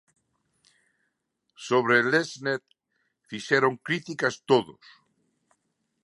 Sobre Lexnet fixeron críticas todos.